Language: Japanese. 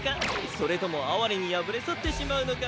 それともあわれに敗れ去ってしまうのか。